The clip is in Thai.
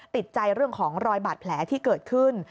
ติดใจเรื่องของรอยบาดแผลที่เกิดขึ้น